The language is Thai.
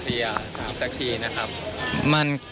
อีกสักทีนะครับ